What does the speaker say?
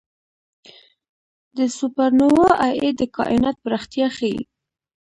د سوپرنووا Ia د کائنات پراختیا ښيي.